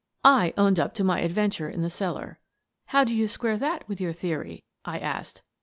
I owned up to my adventure in the cellar. "How do you square that with your theory?" I asked.